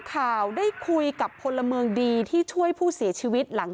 ข่าวได้คุยกับพลเมืองดีที่ช่วยผู้เสียชีวิตหลัง